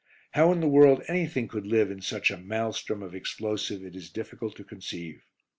How in the world anything could live in such a maelstrom of explosive it is difficult to conceive.